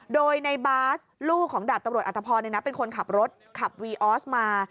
โดยในบาสลูกของดาบตำรวจอัตภพรเป็นคนขับรถขับวีออสมา